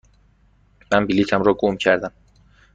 من بلیطم را گم کردم.